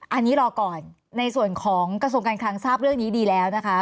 อันนี้รอก่อนในส่วนของกระทรวงการคลังทราบเรื่องนี้ดีแล้วนะคะ